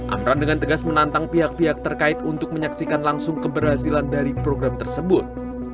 amran dengan tegas menantang pihak pihak terkait untuk menyaksikan langsung keberhasilan dari program tersebut